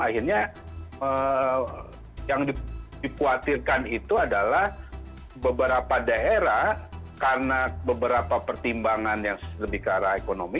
akhirnya yang dikhawatirkan itu adalah beberapa daerah karena beberapa pertimbangan yang lebih ke arah ekonomi